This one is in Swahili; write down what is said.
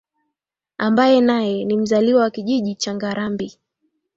ambaye naye ni mzaliwa wa Kijiji cha Ngarambi